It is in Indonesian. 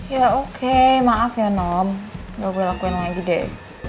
ya oke maaf ya nom gak boleh lakuin lagi deh